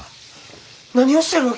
何をしてるわけ？